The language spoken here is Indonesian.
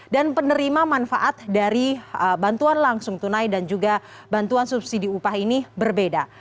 dan penerima manfaat dari bantuan langsung tunai dan juga bantuan subsidi upah ini berbeda